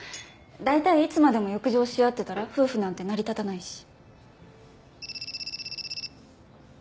大体いつまでも欲情し合ってたら夫婦なんて成り立たないし。